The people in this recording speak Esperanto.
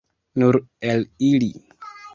Nur el ili.